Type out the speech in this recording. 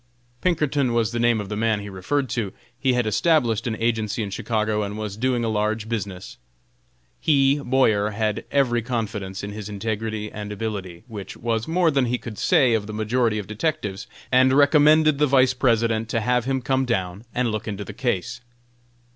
Pinkerton was the name of the man he referred to. He had established an agency in Chicago, and was doing a large business. He (Boyer) had every confidence in his integrity and ability, which was more than he could say of the majority of detectives, and recommended the Vice President to have him come down and look into the case.